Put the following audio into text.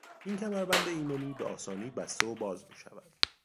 این کمربند ایمنی به آسانی بسته و باز میشود.